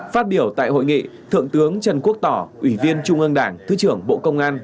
phát biểu tại hội nghị thượng tướng trần quốc tỏ ủy viên trung ương đảng thứ trưởng bộ công an